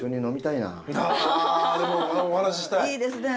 いいですね